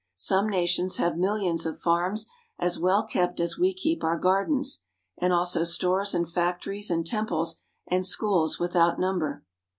Some nations have millions of farms as well kept as we keep our gardens, and also stores and factories and temples and schools without number.